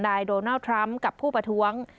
โดนัลด์ทรัมป์กับผู้ประท้วง